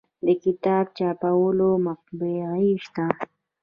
د کتاب چاپولو مطبعې شته